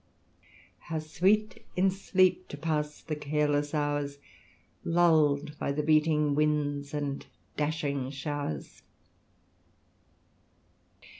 How sweet in sleep to pass the careless hours, LuU'd by the beating winds and dashing show'rs